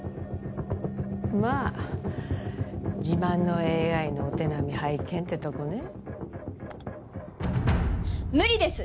まあ自慢のＡＩのお手並み拝見ってとこね無理です！